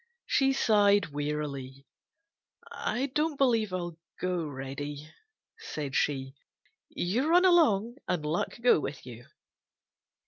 She sighed wearily. "I don't believe I'll go, Reddy," said she. "You run along and luck go with you."